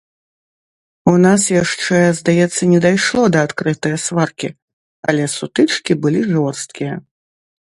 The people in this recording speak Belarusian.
У нас яшчэ, здаецца, не дайшло да адкрытае сваркі, але сутычкі былі жорсткія.